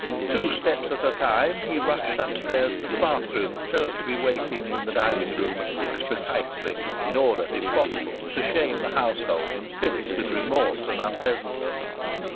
Two steps at a time he rushed upstairs to the bathroom, so as to be waiting in the dining room at six precisely, in order, if possible, to shame the household and fill it with remorse and unpleasantness.